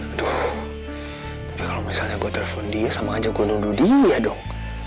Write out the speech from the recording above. aduh tapi kalo misalnya gua telepon dia sama aja gua nuduh dia dong